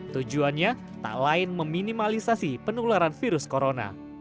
tujuannya tak lain meminimalisasi penularan virus corona